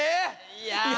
いや。